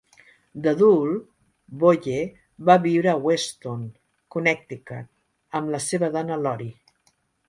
D'adult, Bolle va viure a Weston, Connecticut, amb la seva dona, Lori.